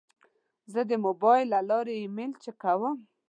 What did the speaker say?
زه د موبایل له لارې ایمیل چک کوم.